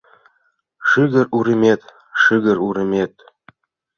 Шыгыр уремет, шыгыр уремет